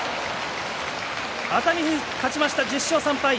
熱海富士、勝ちました１０勝３敗。